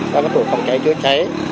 các tổ phòng cháy chứa cháy